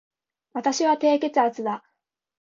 私は低血圧だ